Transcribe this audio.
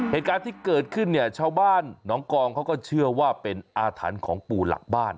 เหตุการณ์ที่เกิดขึ้นเนี่ยชาวบ้านหนองกองเขาก็เชื่อว่าเป็นอาถรรพ์ของปู่หลักบ้าน